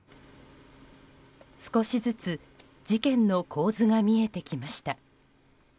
少しずつ事件の構図が見えてきました。